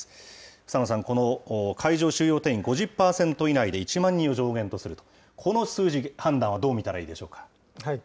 房野さん、この会場収容定員５０％以内で１万人を上限とすると、この数字、判断はどう見たらいいでしょうか。